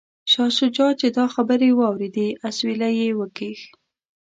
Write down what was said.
شاه شجاع چې دا خبرې واوریدې اسویلی یې وکیښ.